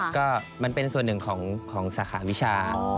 ก็มันเป็นส่วนหนึ่งของสาขาวิชา